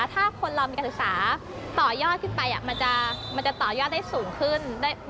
ถ้าคนเรามีการศึกษาต่อยอดขึ้นไปมันจะต่อยอดได้สูงขึ้น